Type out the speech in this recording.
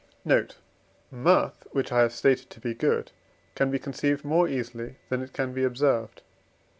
Note. Mirth, which I have stated to be good, can be conceived more easily than it can be observed.